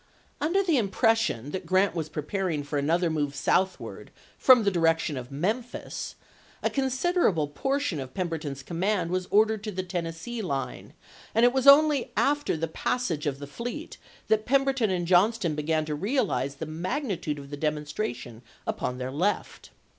Under the impression that Grant was preparing for another move southward from the direction of Memphis, a considerable portion of Pemberton's command was ordered to the Ten nessee line, and it was only after the passage of the fleet that Pemberton and Johnston began to realize the magnitude of the demonstration upon their left.